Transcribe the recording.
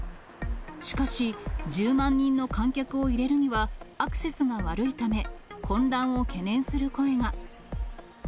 しかし、１０万人の観客を入れるにはアクセスが悪いため、混乱を懸念する声が。